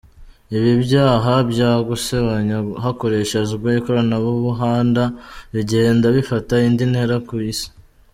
Ibi byaha bya gusebanya hakoreshejejwe ikoranabuhanda Bigenda bifata indi ntera ku isi.